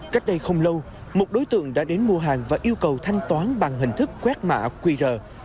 cách đây không lâu một đối tượng đã đến mua hàng và yêu cầu thanh toán bằng hình thức quét mạ quy rờ